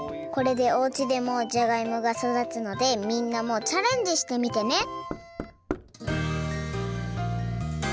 これでおうちでもじゃがいもがそだつのでみんなもチャレンジしてみてね！